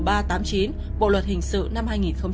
bộ luật hình sự năm hai nghìn một mươi năm